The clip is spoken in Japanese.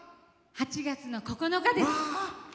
８月の９日です。